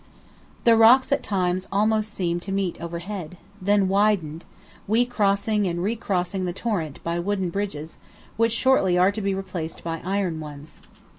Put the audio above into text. The rocks at times almost seemed to meet overhead, then widened, we crossing and re crossing the torrent by wooden bridges which shortly are to be replaced by iron ones.